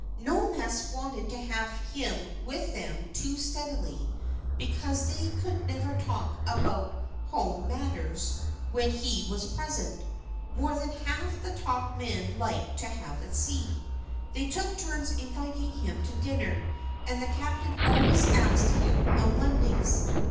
No mess wanted to have him with them too steadily because they could never talk about home matters when he was present more than half the talk men liked to have at sea. They took turns inviting him to dinner, and the captain always asked him on Mondays.